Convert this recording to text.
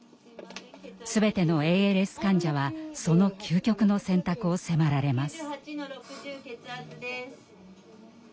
全てのＡＬＳ患者はその究極の選択を迫られます。